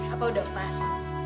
apa udah pas